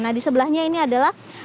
nah di sebelahnya ini adalah